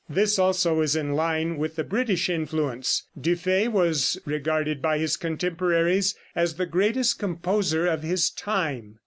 This also is in line with the British influence. Dufay was regarded by his contemporaries as the greatest composer of his time.